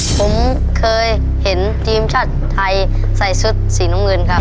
ผมเคยเห็นทีมชาติไทยใส่ชุดสีน้ำเงินครับ